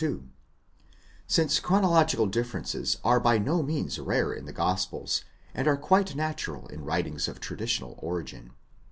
two ; since chronological differences are by no means rare in the gospels, and are quite natural in writings of traditional origin.